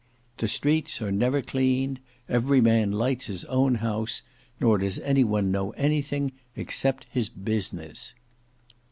The streets are never cleaned; every man lights his own house; nor does any one know anything except his business.